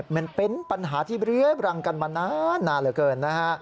มันเป็นปัญหาที่เรื้อบรังกันมานานเหลือเกินนะฮะ